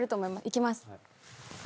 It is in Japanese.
いきます。